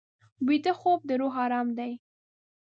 ویده خوب د روح ارام دی